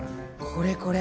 これこれ。